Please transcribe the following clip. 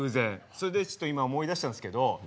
それでちょっと今思い出したんですけど。